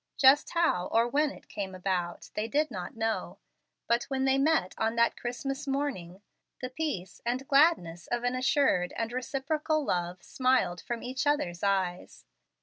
Just how or when it came about, they did not know; but when they met on that Christmas morning, the peace and gladness of an assured and reciprocal love smiled from each other's eyes.